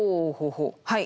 はい。